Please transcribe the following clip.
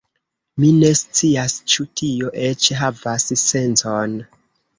Mi ne scias, ĉu tio eĉ havas sencon.